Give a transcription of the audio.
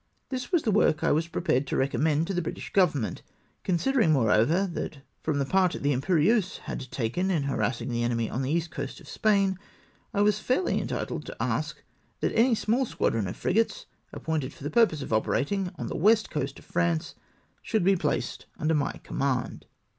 This was the work I was prepared to recommend to the British Government ; considering, moreover, that from the part the Iinpcrieuse had taken in harassing the enemy on the east coast of Spain, I was fairly en titled to ask that any small squadron of frigates, ap pointed for the piu'pose of operating on the west coast of France, should be placed under my command.